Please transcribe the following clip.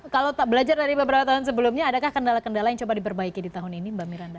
kalau belajar dari beberapa tahun sebelumnya adakah kendala kendala yang coba diperbaiki di tahun ini mbak miranda